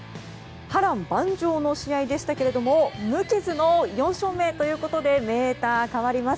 波乱万丈の試合でしたけども無傷の４勝目ということでメーターが変わります。